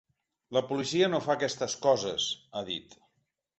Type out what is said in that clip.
La policia no fa aquestes coses, ha dit.